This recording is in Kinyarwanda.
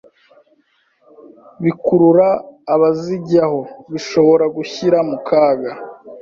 bikurura abazijyaho bishobora gushyira mu kaga